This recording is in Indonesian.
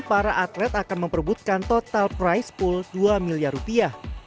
para atlet akan memperbutkan total price pool dua miliar rupiah